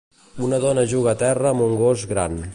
Un dona juga a terra amb un gos gran.